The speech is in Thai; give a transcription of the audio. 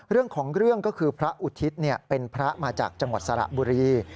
เรื่องของเรื่องก็คือพระอุทิศเป็นพระมาจากจังหวัดสระบุรี